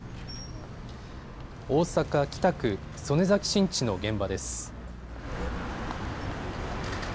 大阪北区曽根崎新地の現場です。